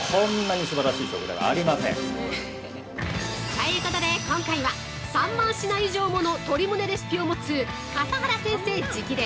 ◆ということで、今回は３万品以上もの鶏むねレシピを持つ笠原先生直伝！